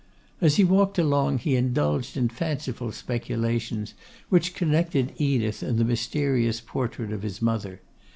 As he walked along, he indulged in fanciful speculations which connected Edith and the mysterious portrait of his mother.